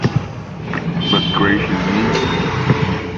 But gracious me!